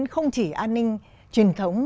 không chỉ an ninh truyền thống